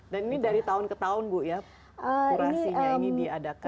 dan ini dari tahun ke tahun bu ya kurasinya ini diadakan